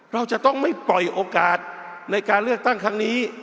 เราจะต้องไม่ปล่อยโอกาสในการเลือกตั้งครั้งนี้